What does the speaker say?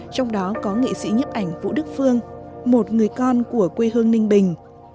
trong đó có nghệ sĩ nhấp ảnh vũ đức phương một người con của quê hương ninh bình